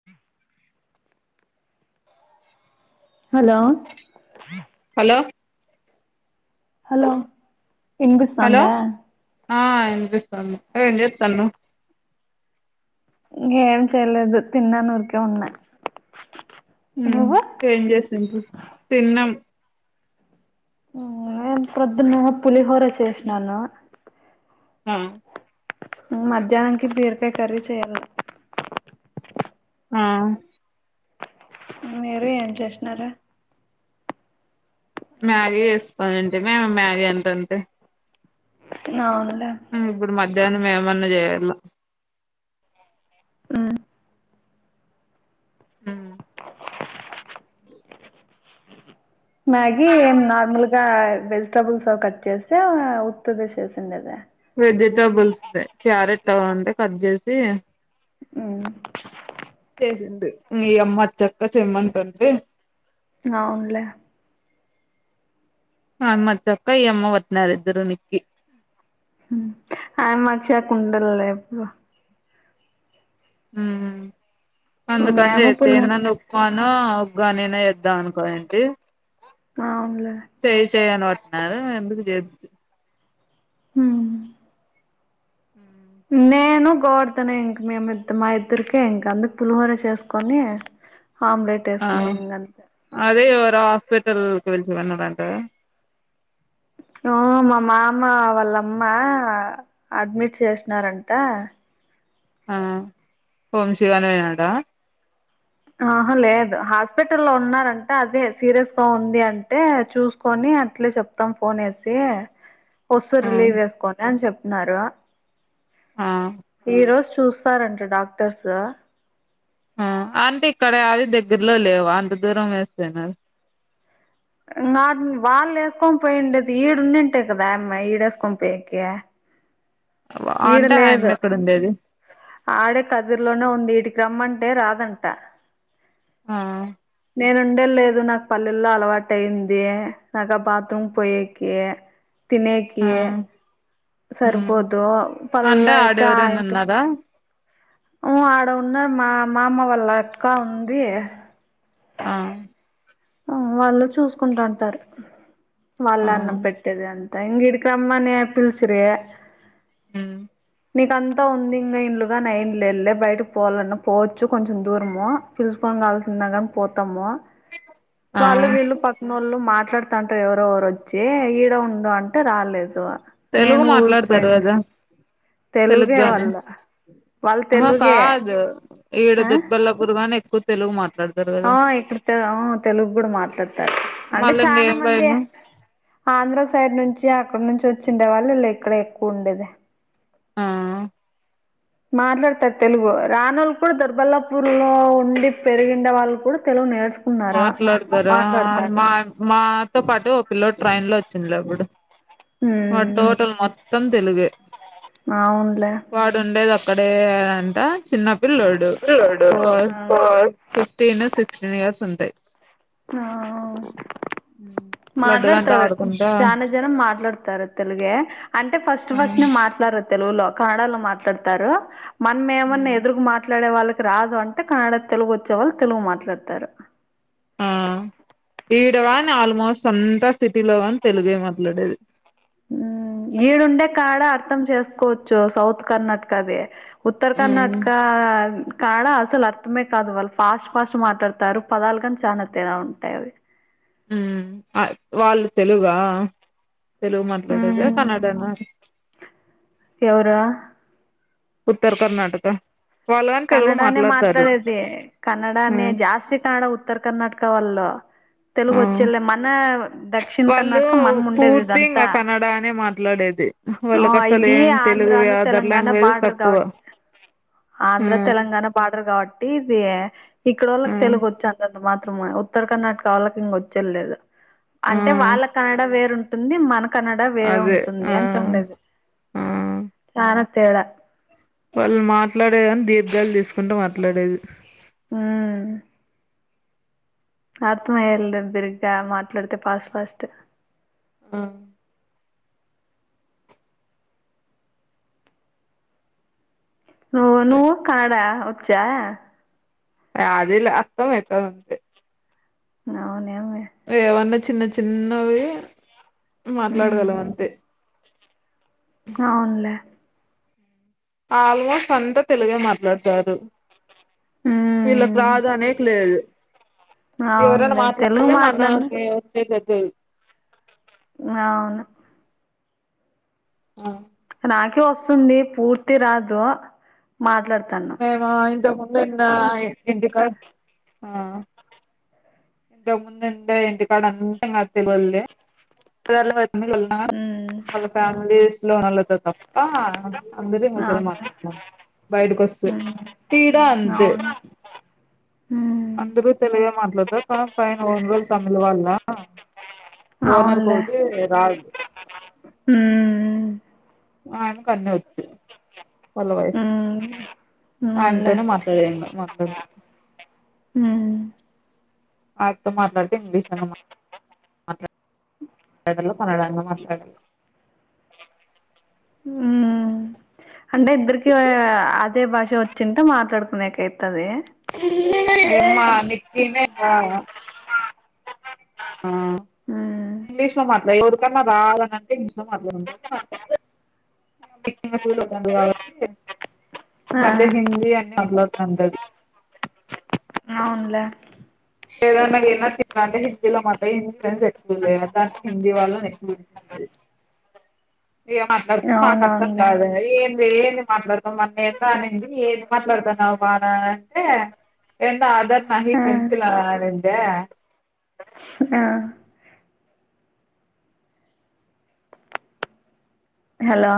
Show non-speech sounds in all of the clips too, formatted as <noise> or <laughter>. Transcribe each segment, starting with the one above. అ <inaudible> hello hello hello hello ఇన్పిస్థాందా ఆ ఇన్పిస్తాంది ఏం చేత్తాన్నవ్ ఇంకేం చేయలేదు తిన్నా ఊర్కే ఉన్నా, నువ్వు ఏం జేసిన్రు, తిన్నాం ఆ నేను ప్రొద్దున్నేమో పులిహోర చేసినాను ఆ మధ్యానానికి బీరకాయ కర్రీ చేయాల్లా ఆ మీరు ఏం చేస్నారు మ్యాగీ చేస్కోనింటిమి ఆమె మ్యాగీ అంటంటే ఔనులే ఇప్పుడు మధ్యాహ్నం ఏమన్నా జేయ్యాల్ల ఉమ్ ఉమ్ మ్యాగీ ఏం నార్మల్గా వెజిటబుల్స్ లొ కట్ చేసా ఉత్తదే సేసిండాదా వెజిటబుల్స్ దే క్యారెట్టు వుంటే కట్ జేసి ఉమ్ చేసింటి మీ అమ్మచ్చక్క చెమ్మంటాంటె అవున్లే హమ్మా చక్క ఇఅమ్మ పట్నారు ఇద్దరు నిక్కి ఆయమ్మ వచ్చేక్ కుండల ఎప్పుడు ఉమ్ ఉ అందుకన్ మేము జెప్పి పులి ఇన్నను అవునూ ఒగ్గా నేనే చెప్దామనుకునింటి అవున్లే చెయ్ చెయ్ అని పట్నారు ఎందుకు జేపి హ్మ్ హ్మ్ నేను గోవర్దన్ ఎ ఇంక మేము ఇద్ మా ఇద్దరికే ఇంక అందుక్ పులిహోర చేసుకొని ఆమ్లెట్ ఆ వేసుకున్నాం ఇంక అంతే అదే ఎవరో హాస్పిటల్ గురించి విన్నడంట గా అవును మా మామ వాళ్ళ అమ్మ అడ్మిట్ చేసినారంట ఆ వొమ్షి గాన్ని <unintelligible> పోయినవంటన ఆహా లేదు హాస్పిటల్లో ఉన్నారంట అదే సీరియస్ గా ఉంది అంటే చూసుకొని అట్లే చెప్ త్తం ఫోన్ ఏసీ హొసూర్ ఆ రిలీజ్ చేసుకోండి అని చెప్పినారు ఆ ఈ రోజు చూస్ తారంట డాక్టర్సు అంటే ఇక్కడ అవి దగ్గరలో లేవు అంత దూరం వేస్తేనా నాన్ వాళ్ళు ఏసుకొని పోయిండేది ఈడున్నింటే కదా అమ్మాయ్ ఈడేసుకొని పోయ్యేకి ఈడ అంటే లేదు ఆయమ్మ ఎక్కడ ఉండేది ఆడే కదిరులోనే ఉంది ఈడికి రమ్మంటే రాదంట ఆ నేను ఉండే లేదు నాకు పల్లెల్లో అలవాటు అయ్యింది నాకా బాత్రూమ్ పొయ్యేకి తినేకి ఆ ఉమ్ సరిపోదు పల్ అంటే అయితే ఆడెవరన్న అయింట్ ఉన్నారా ఊ ఆడ ఉన్నారు మా మామ వాళ్ళ అక్క ఉంది ఆ ఊ వాళ్ళు చూసుకుంటా ఉంటారు ఆ వాళ్ళే అన్నం పెట్టేది అన్ త ఇంగీడకి రమ్మని పిల్సిరి ఉమ్ నీకంతా ఉంది ఇంగ ఇల్లు గానీ ఎం లేదులే బయటకు పోవాలన్నా పోవచ్చు కొంచెం దూరము పిల్ పోంగాల్సిన్నా గానీ పోతాము ఆ వాళ్ళు వీళ్ళు పక్కనోళ్ళు మాట్లాడుతా అంటే ఎవరోవొరు వొచ్చి ఈడ ఉండు అంటే రాలేదు తెలుగు నేను మాట్లాడతారు ఊరికిపోయింటి కదా తెలుగు తెలుగే గానీ వాళ్ళ వాళ్ళు ఆహా తెలుగే కాదు ఈడ ఆ దిబ్బల్లో గురుగానీ ఎక్కువ తెలుగు మాట్ ఆ ఇక్కడ ఆ తెలుగు గుడా మాట్లాడతారు అంటే మళ్ళ ఇంగ చానా ఏం మందే భయము ఆంధ్రా సైడ్ నుంచి అక్కడ నుంచి వొచ్చిండే వాళ్ళు లే ఇక్కడ ఎక్కువ ఉండేది ఆ మాట్లాడతారు తెలుగు రానోళ్లు కూడా దుర్బల్లాపూర్ లో ఉండి పెరిగిండే వాళ్ళు కూడా తెలుగు నేర్చ్ మాట్లాడతారా మా మాతో పాటూ ఓ పిల్లోడు ట్రైన్ లో వచ్చిండ్లే అప్పుడు వాడు ఉమ్, టోటల్ మొత్తం తెలుగే అవునులే వాడు ఉండేది ఓక్కడే అంట చిన్నపిల్లోడు పిల్లోడు ఓస్ ఆ ఫిఫ్టీన్ సిక్స్టీన్ ఇయర్స్ ఉంటాయి ఆ ఉమ్ లడ్డు గానితో మాట్లాడతారు ఆడుకుంటా చానా జనం మాట్లాడుతారు తెలుగే అంటే ఫస్ట్ ఫస్ట్నే మాట్లాడర్ తెలుగులో కనడా లో మాట్లాడుతారు మనం ఏమన్నా ఎదురు మాట్లాడే వాళ్ళ త్ రాదు అంటే కన్నడ తెలుగోచ్చే వాళ్ళు తెలుగు మాట్లాడుతారు ఆ ఈడవానీ ఆల్మోస్ట్ అంతా సిటీ లో గానీ తెలుగే మాట్లాడేది ఊ ఈడుండే కాడ అర్థం చేస్కోవచ్చు సౌత్ కర్ణాటక ది ఉత్తర కర్ణాటకా కాడ అసలు అర్థమే కాదు వాళ్ళు ఫాస్ట్ ఫాస్ట్ మాట్లాడతారు పదాలు కానీ చాలా తేడా ఉంటాయి అవి ఊమ్ వాళ్ళు తెలుగా తెలుగు మాట్లాడేదా కన్నడ నా ఎవరా ఉత్తర కర్ణాటక వాళ్ళు కాని తెలుగు కన్నడానే మాట్లాడతారు మాట్లాడేది కన్నడానే మ్ జాస్తి కన్నడా ఉత్తర కర్ణాటక వాళ్ళు ఆ తెలుగోచ్చేలే మన దక్షిణ కర్ణాటక మనం ఉండేది ఇదంతా నడా నే మాట్లాడేది ఆ వాళ్ళకు అసలు ఇవి ఏం తెలుగు ఆంధ్రాను అదర్ తెలంగాణ లాంగ్వేజస్ బార్డర్ తక్కువ కాబట్టి ఆ ఆంధ్ర తెలంగాణ బార్డర్ కాబట్టి ఇది ఆ ఇక్కడోళ్ళకి తెలుగోచ్చి అంతంత మాత్రమే ఉత్తర కర్ణట్కా వాళ్ళకి ఇంగోచ్చే లేదు ఆ అంటే వాళ్ళ కన్నడ వేరుంటుంది మన కన్నడ వేరే అదే ఉంటుంది ఆ అంతుండదు ఆ చానా తేడా వాళ్ళు మాట్లాడేదని దీర్ఘాలు దీస్కుంటే మాట్లాడేది హూ ఆత్మహయ్యాలదిర్గా మాట్లాడితే ఫాస్ట్ ఫాస్ట్ ఆహ్ సో నువ్ కనడా ఒచ్చా ఆ అదిల అస్తంమైతదంతే అవ్నవ్నులే ఏవన్నా చిన్న చిన్నవి మాట్లాడగలం అంతే అవునులే ఆల్మోస్ట్ అంతా తెలుగే మాట్లాడ్తారు వీళ్ళకి రాదు అనేక్ లేదు ఎవరైనా అవునులే తెలుగు మాట్లాడితే మా మాట్లాడిన నాకి వచ్చేదిదు అవును ఆ నాకి ఒస్తుంది పూర్తి రాదు మాట్లాడ్తానా ఆ ఇంత ముందున్న ఇంటికా ఆ ఇంత ముందుందే ఇంటి కాడ అంత ఆప్పిగొల్లే <inaudible> ఉమ్, వాళ్ళ ఫ్యామిలీస్లో నళ్ళతోక అందరు మంచిగానే అవును తరేమాట్లాడ్తం బయ్టికొస్తే ఉమ్, తీర అంతే అవును ఉమ్, అందరు తెలుగే మాట్లాడ్తారు పైన వాళు తమిళ్ వాళ్ళ ఓనార్ అవునులే కొడుకే రాజు ఉమ్ ఆయన కన్ని ఒచ్చు వళ్ళ వైఫ్ ఉమ్, అవునులే ఆయనతోనే మ ధైర్యంగా మట్లాడ్ది ఉమ్ వాటితో మాట్లాడితే ఇంగ్లీష్ <unintelligible> లేదా కన్నడన్నా మాట్లాడాలి ఉహ్ అంటే ఇద్దర్కి అదే భాష ఒచ్చుంటే మాట్లాడ్కునేకైతది ఎమ్మా కింగ <unintelligible> ఉమ్ ఇంగ్లీష్లో మాట్లాడ ఎర్కన్నా రాదనంటే ఇంగ్లీష్లో మాట్లాడి ఉంటారు మాట్లా <inaudible> సూలం బందువు కాబట్టి ఆ మధ్య హిందీ అని మాట్లాడ్తాంటది అవునులే ఏదన్నా ఏన్నా తి అంటే హిందీల అమాట హిందీ ఫ్రెండ్స్ ఎక్కువ లేవు అంటే హిందీ వాళ్ళని ఎక్కువంది ఇగ మాట్లాడితే మాట్లాడితం అర్థం అవునవునులే కాదు ఏం ఏది మాట్లాడతాం మన్న ఎంత అనింది ఏది మాట్లాడతాన్నా బాఅంటే ఎంద ఆధార్ నాహి ఆ పెన్సిల్ అని అంటే ఆ హలో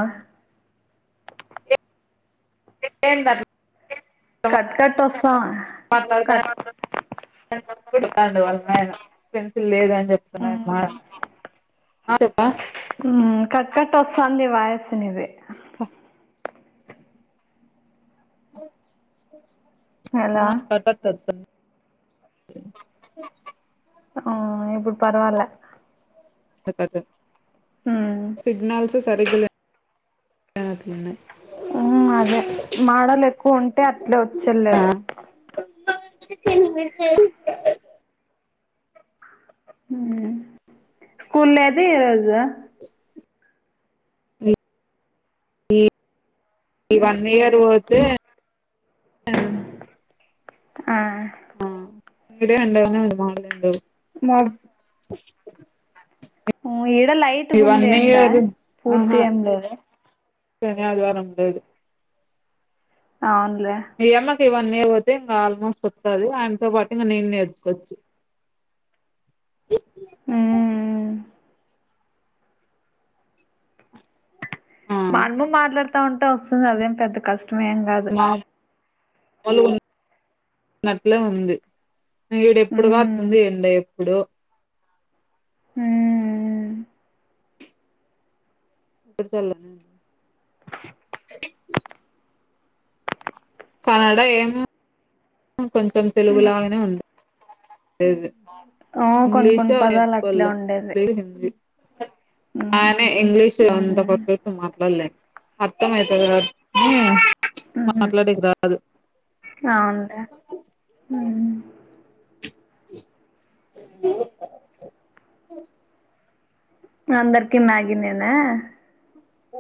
ఏంది కట్ కట్ వస్తాంది. మాట్లాడతా ఎప్పుడూ చెపుతూ ఉన్నారు వాళ్ళ మేడం పెన్సిల్ లేదు అని చెప్తున్నాడు. ఆటోకా మ్ కట్ కట్ వస్తాంది వాయిస్ నీది. హ ఆ హలో కట్ట <unintelligible> ఆ ఇప్పుడు పర్వాలే హ్మ్ సిగ్నల్స్ సరిగాలే నట్టున్నాయి అదే మాడలు ఎక్కువ ఉంటే అట్లే వచ్చేల్లేదు. స్కుల్ లేదీరోజు ఈ వన్ ఇయర్ పోతే ఆ ఈడే ఉండవన మమాగు ఉండవు <unintelligible> మాడు ఈడ లైట్ ఈ గ వన్ ఉంది ఎండ ఇయర్ ఆహా పూర్తీగా ఏమ్లేదు. శని, అదివారం ఉండదు. అవునులే ఈయమ్మ కి ఈ వన్ ఇయర్ పోతే ఇంకా ఆల్మోస్ట్ వస్తాది. ఆయనతో పాటు ఇంగ నేను నేర్చుకోవచ్చు. ఉమ్ ఆ మనము మాట్లాడుతా ఉంటే వస్తాది. అదేం పెద్ద కష్టమేం మాములుగా ఉన్నట్లే ఉంది. ఈడ ఉమ్ ఎప్పుడుగాతుంది ఎండ ఎప్పుడో ఉమ్ పెద్దోళ్ళు కాడ ఏమో కొంచెం తెలుగు లాగానే ఉంది. లేేదు ఆ కొన్ని కొన్ని ఇంగ్లీషులో పదాలు అట్లే నేర్చుకోవాల, ఉండేది లేదా హిందీ. ఉమ్ ఆయనే ఇంగ్లీషు అంత ఉమ్ పర్ఫెక్టు. మాట్లాడలేను. అర్థం అయితాది కానీ మాట్లాడేకి రాదు. అవును లే మ్ <inaudible> అందరికిి మాగీ నేనా?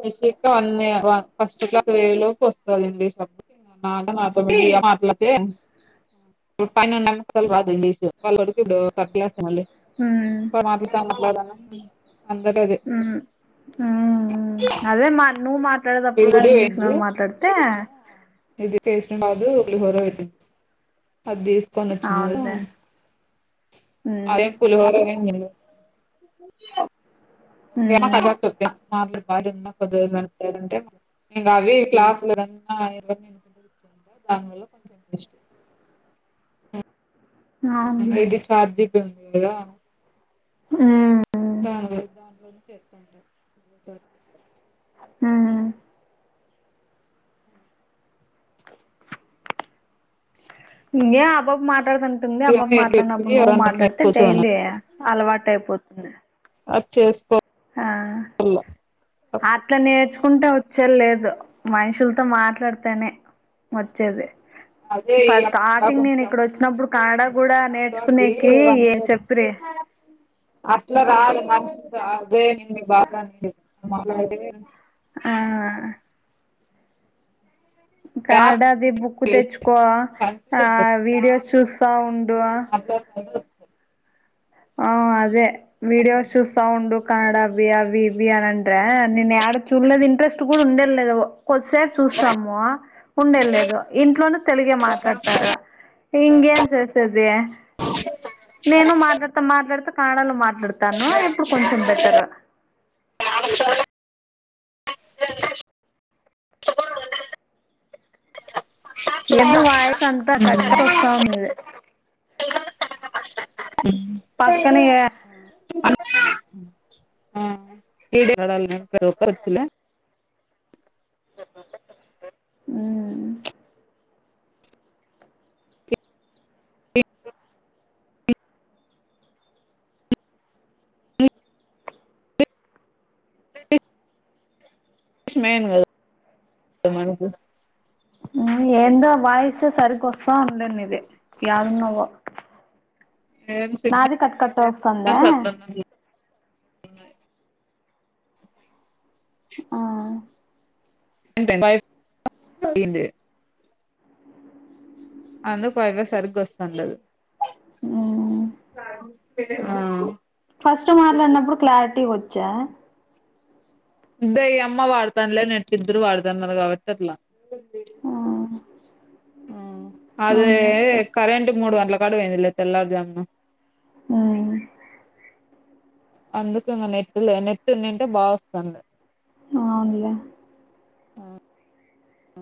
నిశిక వన్ ఇయర్, ఫస్ట్ క్లాస్ పొయ్యే లోపు వస్తాది ఇంగ్లీష్ లో అప్పు బాగా మాతోటి విడిగా మాట్లాడితే. ఇప్పుడు పైన ఉన్న పిల్లలకు రాదు ఇంగ్లీష్. వాళ్ళని అడిగితే ఇప్పుడు థర్డ్ క్లాస్ మళ్ళీ. ఉమ్ <unintelligible> మాట్లాడను అందరికి అదే మ్ హూ అదే నువ్వు మాట్లాడేటప్పుడు వీళ్ళు గాని గుడి ఇంగ్లీష్ పోయిండ్రి లోను మాట్లాడితే ఆడేమో ఇది టేస్ట్ కాదు. పులిహోర పెట్టింది. అది తీసుకొని వచ్చినా ఇగ అవునులే హ్మ్ అదే పులిహోర నేను తిన్ను. ఏల ఆ పాప హ్మ్ తోటి మాట్లాడుకున్నా కొద్దిరోజులు అయినా ఇంగ అవి క్లాసులున్నావకుంట దానివల్ల <unintelligible> అవునులే ఏది చాట్ జీబిటి ఉందిగ. మ్ దాన్ని యూజ్ చేసుకుంటారు. మ్ <inaudible> ఇంగే ఆ పాప మాట్లాడతాంది. ఉంటుంది ఏమో అబ్బాబ ఏం చెప్పింది మాట్లాడినప్పుడు నువ్వు ఎవరన్నా మాట్లాడితే నేర్చుకోవచ్చు అని డైలీ అలవాటైపోతుంది అది చేస్కో మళ్ళా అట్లా నేర్చుకుంటే వచ్చే ల్లేదు మనుషుల్తో మాట్లాడ్తేనే వచ్చేది అదే ఈ ఫ అమ్మంగా స్టార్టింగ్ నేను కొంచెం ఇక్కడొచ్చినప్పుడు కనడా కూడా నిషికాకి నేర్చుకునేకి ఏ చెప్పిరి అట్ల రాదు మన్షి గాదే నేను మీ బాగాన్ని <unintelligible> ఆ యాప్స్ ఎన్ని కనడాది బుక్కు నేర్చుకుంటే వేస్ట్ తెచ్చుకో కన్ఫ్యూజ్ ఆ అయిపోతుంది వీడియోస్ చూస్తా ఉండు <inaudible> ఆ అదే వీడియోస్ చూస్తా ఉండు కనడావ్వీ అవి వియాంటా నేయాడ చూడ్లేదు ఇంట్రెస్ట్ కూడా ఉండేది లేదు కొద్దిసేపు చూసాము ఉండే లేదు ఇంట్లోనే తెలుగే మాట్లాడ్తారు ఇంగేం సేసేది <inaudible> నేను మాట్లాడ్తా మాట్లాడ్తా కనడాలో మాట్లాడ్తాను ఇప్పుడు కొంచెం బెటరు యానకు చయ్ ఎందో వాయిస్ అంతా కట్ కట్ ఒస్తాంది నీది పక్కనే ఉ ఆ <inaudible> ఊ ఉ ఇ ష్మాంగో తమన్కు ఎందో వాయిస్ సరిగ్గా వస్తా ఉండునింది ఏడున్నావో ఏం నాది సిగ్నల్స్ కట్ కట్టే ఒస్తాందా ఆ ఎంటండి <inaudible> అందుకు వైబ్ సరిగొస్తాండ లేదు ఆ ఆ ఫస్ట్ మాట్లాడినప్పుడు క్లారిటీగొచ్చా ఇ దయ్యమ్మా వాడ్తాంల్లే నెట్ ఇద్రూ వాడ్తాన్నారు కాబట్టి అట్లా అదే అవును కరెంటు మూడు గంట్ల కాడు పోయిందిలే తెల్లారుజామున ఊ అందుకేమో నెట్ నెటుంనింటే బా వస్తాండే ఔన్లే ఆ